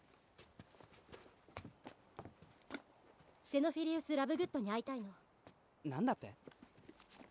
ゼノフィリウス・ラブグッドに会いたいの何だって？